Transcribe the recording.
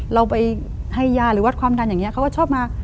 เราไปให้ยาหรือวัดความดันอย่างนี้เขาก็ชอบมา